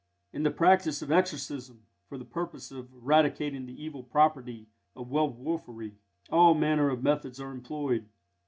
In the practice of exorcism, for the purpose of eradicating the evil property of werwolfery, all manner of methods are employed.